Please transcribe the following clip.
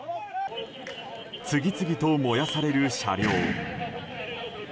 次々と燃やされる車両。